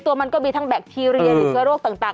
มันก็มีทั้งแบคทีเรียหรือเชื้อโรคต่าง